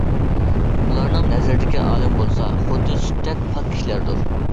ئۇلارنىڭ نەزىرىدىكى ئالىم بولسا، خۇددى سۈتتەك، پاك كىشىلەردۇر.